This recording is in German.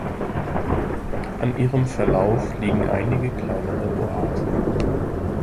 An ihrem Verlauf liegen einige kleinere Oasen.